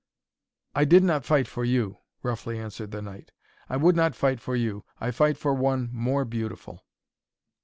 'I did not fight for you!' roughly answered the knight. 'I would not fight for you! I fight for one more beautiful.'